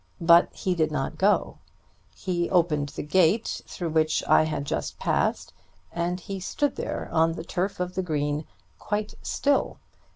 But he did not go. He opened the gate through which I had just passed, and he stood there on the turf of the green, quite still.